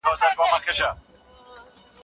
پدې سورت کي د خوبونو تعبيرونه سته.